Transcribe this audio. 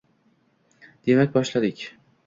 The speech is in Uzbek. Demak, boshladik.